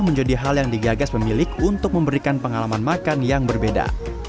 menjadi hal yang digagas pemilik untuk memberikan pengalaman makan yang berbeda